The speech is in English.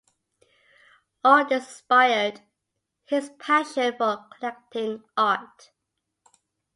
All this inspired his passion for collecting art.